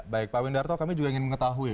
baik pak windarto kami juga ingin mengetahui